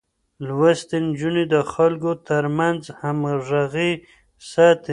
لوستې نجونې د خلکو ترمنځ همغږي ساتي.